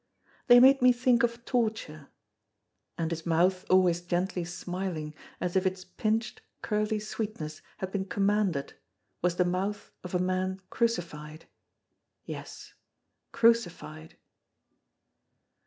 They made me think of torture. And his mouth always gently smiling, as if its pinched curly sweetness had been commanded, was the mouth of a man crucified—yes, crucified!